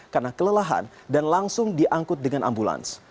karena kelelahan dan langsung diangkut dengan ambulans